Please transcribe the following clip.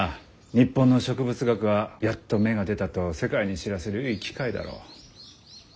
日本の植物学はやっと芽が出たと世界に知らせるいい機会だろう。